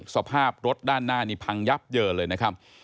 สภาพรถด้านหน้านี่พังยับเยินเลยนะครับ